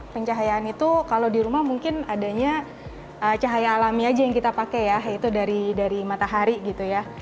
pencahayaan itu kalau di rumah mungkin adanya cahaya alami aja yang kita pakai ya yaitu dari matahari gitu ya